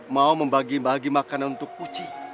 mau membagi bagi makanan untuk puci